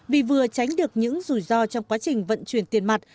vì vừa tránh được những rủi ro trong quá trình vận chuyển tiền mặt